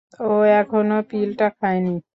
ও এখনও পিলটা খায়নি।